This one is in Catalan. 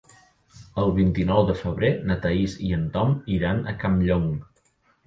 El vint-i-nou de febrer na Thaís i en Tom iran a Campllong.